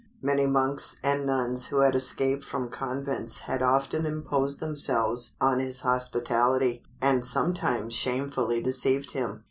Many monks and nuns who had escaped from convents had often imposed themselves on his hospitality, and sometimes shamefully deceived him.